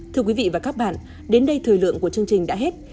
thưa quý vị và các bạn đến đây thời lượng của chương trình đã hết